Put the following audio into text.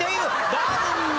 ダウンだ。